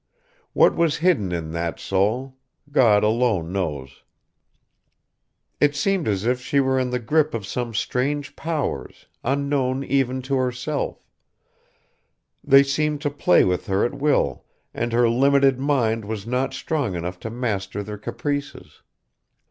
What was hidden in that soul God alone knows! It seemed as if she were in the grip of some strange powers, unknown even to herself; they seemed to play with her at will and her limited mind was not strong enough to master their caprices.